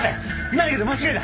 何かの間違いだ！